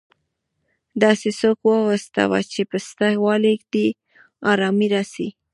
داسي څوک واوسه، چي په سته والي دي ارامي راسي.